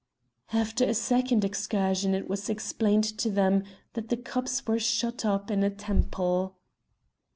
After a second excursion it was explained to them that the cups were shut up in a temple.